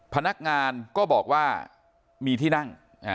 พนักงานก็บอกว่ามีที่นั่ง